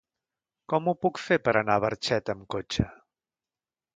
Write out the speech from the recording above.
Com ho puc fer per anar a Barxeta amb cotxe?